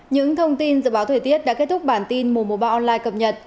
những thông tin dự báo thời tiết đã kết thúc bản tin mùa mùa ba online cập nhật